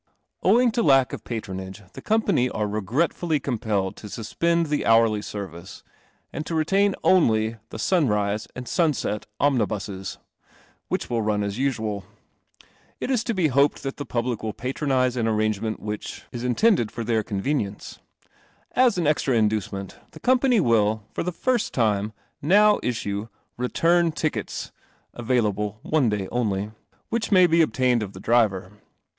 Owing to lack of patronage the Company are rettullv i om pel led to Suspend the hourly ser vice, and t<> retain only the i Sunset Omnibm hich will run . ial. [t is ped that the public will pat: an arrangement w Inch 57 THE CELESTIAL OMNIBUS is intended for their convenience. As an extra inducement, the Company will, for the first time, now issue Return Tickets ! (available one day only), which may be obtained of the driver.